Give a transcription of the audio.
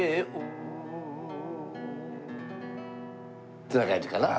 ってな感じかな。